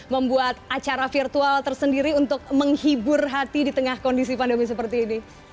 membuat acara virtual tersendiri untuk menghibur hati di tengah kondisi pandemi seperti ini